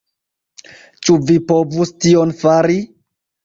Ĉu vi povus tion fari?